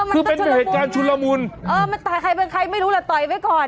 คือเป็นเหตุการณ์ชุลมุนใครไม่รู้ล่ะต่อยไว้ก่อน